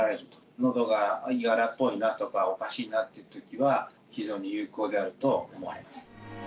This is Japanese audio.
のどがいがらっぽいなとか、おかしいなっていうときは、非常に有効であると思われます。